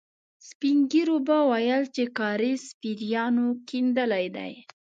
سپين ږيرو به ويل چې کاریز پېريانو کېندلی دی.